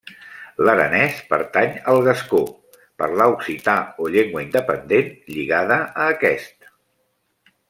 L'aranès pertany al gascó, parlar occità o llengua independent lligada a aquest.